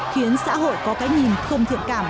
khiến xã hội có cái nhìn không thiện cảm